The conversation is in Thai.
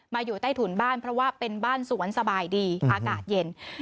อยู่ใต้ถุนบ้านเพราะว่าเป็นบ้านสวนสบายดีอากาศเย็น